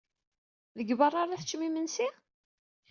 Deg beṛṛa ara teččem imensi?